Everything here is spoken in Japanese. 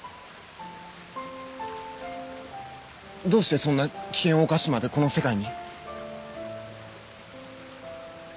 どうしてそんな危険を冒してまでこの世界に？